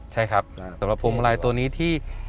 ใช่ครับสำหรับพวงมาลัยตัวนี้ที่